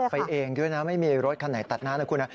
ไปเองด้วยนะไม่มีรถคันไหนตัดหน้านะคุณนะ